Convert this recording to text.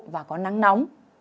và có nắng nóng